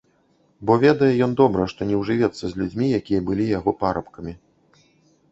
Бо ведае ён добра, што не ўжывецца з людзьмі, якія былі яго парабкамі.